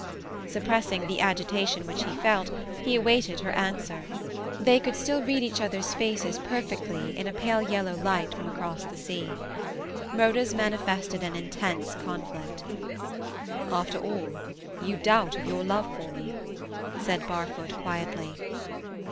Suppressing the agitation which he felt, he awaited her answer. They could still read each other's faces perfectly in a pale yellow light from across the sea. Rhoda's manifested an intense conflict. "After all, you doubt of your love for me?" said Barfoot quietly.